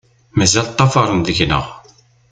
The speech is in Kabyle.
Mazal ṭṭafaṛen deg-nneɣ.